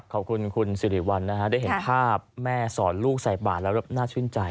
ขอบคุณคุณสิริวัลนะฮะได้เห็นภาพแม่สอนลูกใส่บาทแล้วน่าชื่นใจ